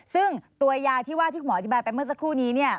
ซึ่งตัวยาที่ว่าที่คุณหมออธิบายไปเมื่อสักครู่นี้